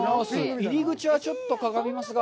入り口はちょっとかがみますが。